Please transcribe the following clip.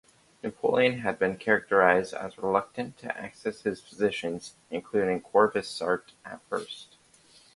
Napoleon had been characterized as reluctant to access his physicians, including Corvisart at first.